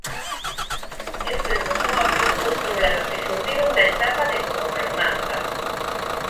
Eu creo que son obvios dous problemas que xurdiron na etapa de cogobernanza.